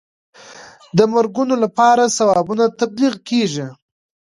د مرګونو لپاره ثوابونه تبلیغ کېږي.